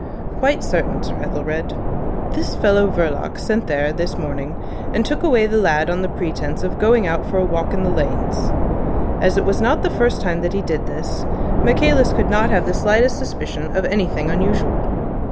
"Quite certain, Sir Ethelred. This fellow Verloc went there this morning, and took away the lad on the pretence of going out for a walk in the lanes. As it was not the first time that he did this, Michaelis could not have the slightest suspicion of anything unusual.